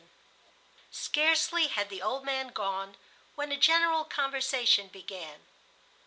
Scarcely had the old man gone when a general conversation began.